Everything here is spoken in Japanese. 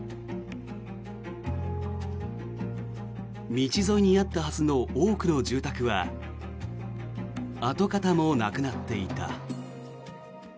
道沿いにあったはずの多くの住宅は跡形もなくなっていた。